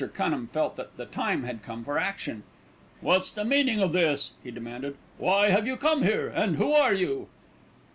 Cunham felt that the time had come for action. "What's the meaning of this?" he demanded. "Why have you come here, and who are you?"